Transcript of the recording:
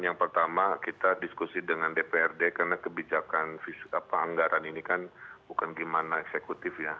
yang pertama kita diskusi dengan dprd karena kebijakan anggaran ini kan bukan gimana eksekutif ya